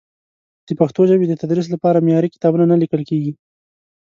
د پښتو ژبې د تدریس لپاره معیاري کتابونه نه لیکل کېږي.